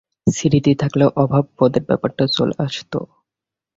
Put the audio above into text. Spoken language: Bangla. স্মৃতি থাকলেই অভাববোধের ব্যাপারটা চলে আসত।